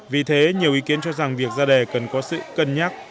vì thế nhiều ý kiến cho rằng việc ra đề cần có sự cân nhắc